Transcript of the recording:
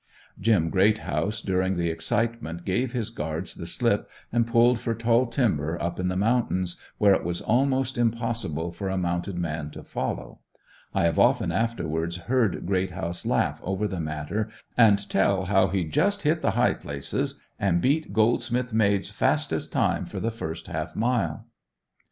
Jim Greathouse during the excitement gave his guards the slip and pulled for "tall timber" up in the mountains where it was almost impossible for a mounted man to follow. I have often afterwards heard Greathouse laugh over the matter and tell how he "just hit the high places," and beat Goldsmith Maid's fastest time, for the first half mile.